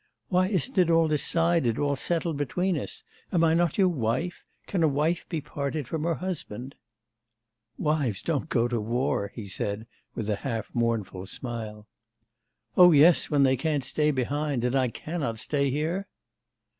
Why isn't it all decided, all settled between us? Am I not your wife? Can a wife be parted from her husband?' 'Wives don't go into war,' he said with a half mournful smile. 'Oh yes, when they can't stay behind, and I cannot stay here?